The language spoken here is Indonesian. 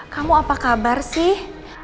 kamu apa kabar sih